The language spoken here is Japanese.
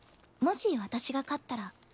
もし私が勝ったら。